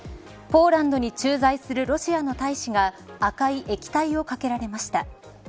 ポーランドに駐在するロシアの大使が赤い液体をかけられました。